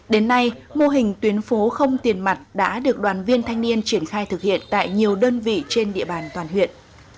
đến nay mô hình tuyến phố không tiền mặt đã được đoàn viên thanh niên triển khai thực hiện tại nhiều đơn vị trên địa bàn toàn huyện